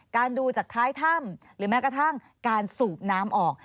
ดูจากท้ายถ้ำหรือแม้กระทั่งการสูบน้ำออก